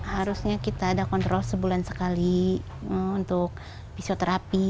harusnya kita ada kontrol sebulan sekali untuk fisioterapi